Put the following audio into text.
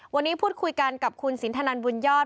วันนี้พูดคุยกันกับคุณสินทนันบุญยอด